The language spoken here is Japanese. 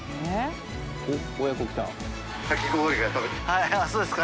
はいそうですか。